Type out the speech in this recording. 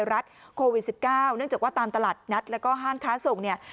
รัฐโควิด๑๙เนื่องจากว่าตามตลาดนัดแล้วก็ห้างค้าส่งเนี่ย